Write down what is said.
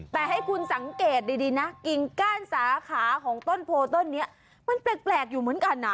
แต่ให้คุณสังเกตดีนะกิ่งก้านสาขาของต้นโพต้นนี้มันแปลกอยู่เหมือนกันนะ